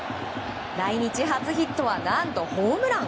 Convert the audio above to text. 来日初ヒットは何とホームラン！